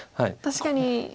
確かに。